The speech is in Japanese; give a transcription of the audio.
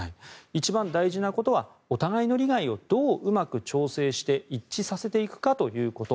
一番大事なことはお互いの利害をどううまく調整して一致させていくかということ。